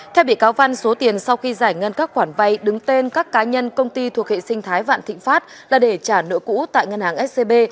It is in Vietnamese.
theo bị cáo văn số tiền sau khi giải ngân các khoản vay đứng tên các cá nhân công ty thuộc hệ sinh thái vạn thịnh pháp là để trả nợ cũ tại ngân hàng scb